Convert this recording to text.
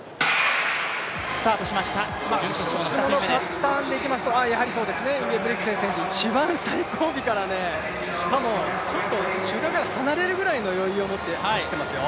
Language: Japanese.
いつものパターンでいきますと、インゲブリクセン選手、一番最後尾からしかも、ちょっと集団から離れるぐらいの余裕を持って走っていますよ。